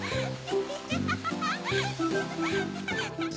ハハハ！